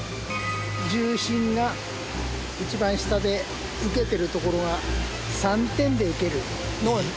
重心が一番下で受けてる所が３点で受ける。